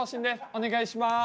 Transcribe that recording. お願いします。